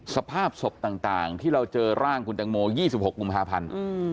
สภาพศพต่างที่เราเจอร่างคุณตังโม๒๖กุมภาพันธ์